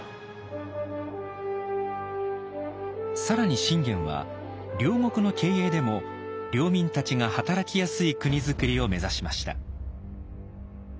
更に信玄は領国の経営でも領民たちが働きやすい国づくりを目指しました。